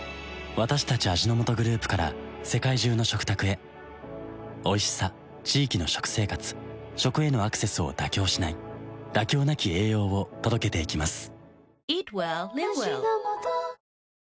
私たち味の素グループから世界中の食卓へおいしさ地域の食生活食へのアクセスを妥協しない「妥協なき栄養」を届けていきます